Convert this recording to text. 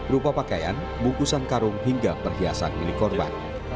rupa pakaian bungkusan karung hingga perhiasan milik korban